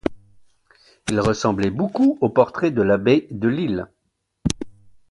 Il ressemblait beaucoup aux portraits de l’abbé Delille.